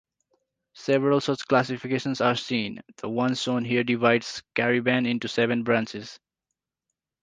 Several such classifications are seen; the one shown here divides Cariban into seven branches.